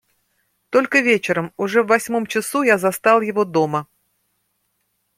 Только вечером, уже в восьмом часу, я застал его дома.